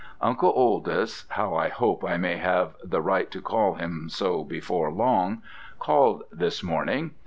"Uncle Oldys (how I hope I may have the right to call him so before long!) called this morning.